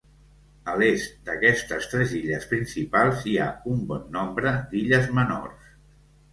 A l'est d'aquestes tres illes principals hi ha un bon nombre d'illes menors.